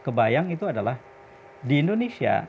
kebayang itu adalah di indonesia